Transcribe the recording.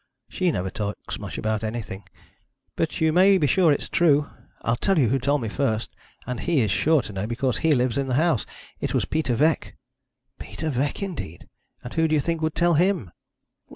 'She never talks much about anything. But you may be sure it's true. I'll tell you who told me first, and he is sure to know, because he lives in the house. It was Peter Veque.' 'Peter Veque, indeed! And who do you think would tell him?'